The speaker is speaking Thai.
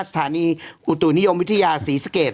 สถานีอุตุนิยมวิทยาศรีสเกต